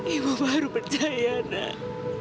ibu baru percaya nak